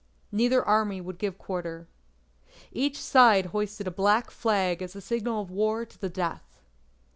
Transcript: Neither Army would give quarter. Each side hoisted a black flag as a signal of war to the death.